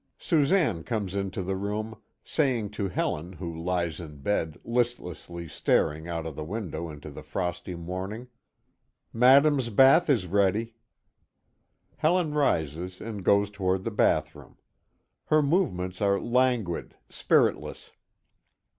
Susanne comes into the room, saying to Helen who lies in bed, listlessly staring out of the window into the frosty morning: "Madame's bath is ready." Helen rises and goes toward the bath room. Her movements are languid, spiritless.